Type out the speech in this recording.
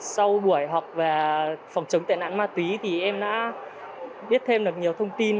sau buổi học về phòng chống tệ nạn ma túy thì em đã biết thêm được nhiều thông tin